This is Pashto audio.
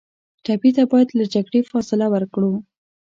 ټپي ته باید له جګړې فاصله ورکړو.